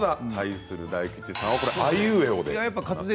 大吉さんはあいうえおで。